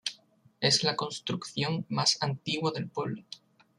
Es la construcción más antigua del pueblo.